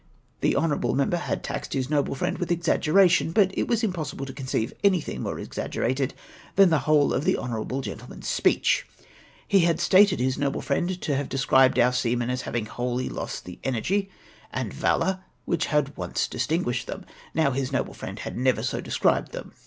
" The honourable member had taxed his noble friend with exaggeration, but it was impossible to conceive anything more exaggerated than the ivhole of the honourable gentle man^s speech. . He had stated his noble friend to have de scribed our seamen as having wholly lost the energy and u 3 294 HIS RErLY TO IME. CROKEE. valour which had once distuiguished thein. Now, his noLle frieud had never so described theui.